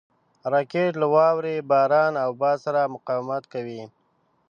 راکټ له واورې، باران او باد سره مقاومت کوي